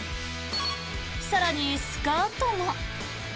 更に、スカートも。